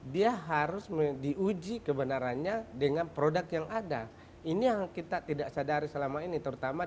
dia harus diuji kebenarannya dengan produk yang ada ini yang kita tidak sadari selama ini terutama